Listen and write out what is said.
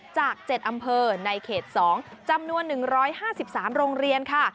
จาก๗อำเภอในเขต๒จำนวน๑๕๓โรงเรียนค่ะ